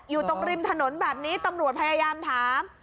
อยู่ตรงริมถนนแบบนี้ตำรวจพยายามถาม